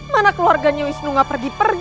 mana keluarganya wisnu gak pergi pergi